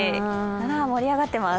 盛り上がっています。